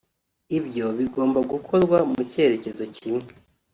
Ibyo bigomba gukorwa mu cyerekezo kimwe